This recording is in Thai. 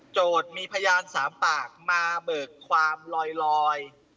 โจทย์มีพยานสามปากมาเบิกความลอย